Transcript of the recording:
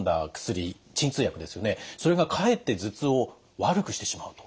それがかえって頭痛を悪くしてしまうと。